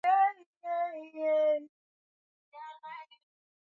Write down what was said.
ilikuwa kwenye matatizo Ghafla injini ikaacha kufanyakazi